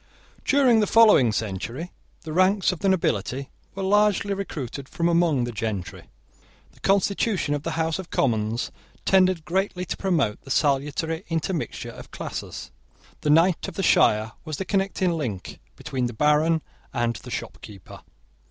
During the following century the ranks of the nobility were largely recruited from among the gentry. The constitution of the House of Commons tended greatly to promote the salutary intermixture of classes. The knight of the shire was the connecting link between the baron and the shopkeeper.